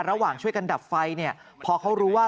ระหว่างช่วยกันดับไฟเนี่ยพอเขารู้ว่า